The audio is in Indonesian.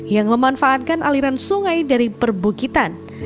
yang memanfaatkan aliran sungai dari perbukitan